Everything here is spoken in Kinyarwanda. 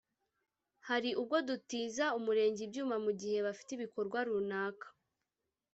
hari ubwo dutiza umurenge ibyuma mu gihe bafite ibikorwa runaka